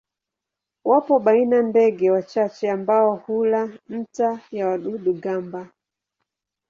Wapo baina ndege wachache ambao hula nta ya wadudu-gamba.